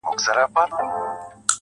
بيا نو منم چي په اختـر كي جــادو,